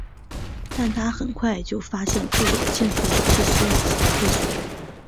但他很快就发现自己的兴趣是计算机科学。